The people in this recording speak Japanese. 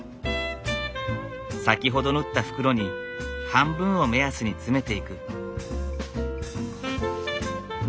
先ほど縫った袋に半分を目安に詰めていく。